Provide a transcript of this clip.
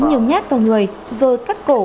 nhiều nhát vào người rồi cắt cổ